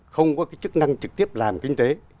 không có chức năng trực tiếp làm kinh tế